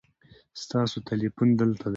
ستاسو تلیفون دلته دی